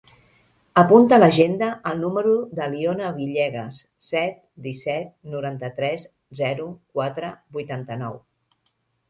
Apunta a l'agenda el número de l'Iona Villegas: set, disset, noranta-tres, zero, quatre, vuitanta-nou.